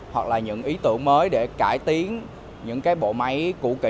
hoặc là những ý tưởng mới để cải tiến những cái bộ máy cụ kỵ